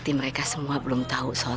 yang benar nek